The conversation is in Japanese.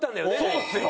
そうっすよ。